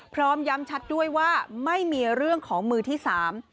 พร้อมย้ำชัดด้วยว่าไม่มีเรื่องของมือที่สาม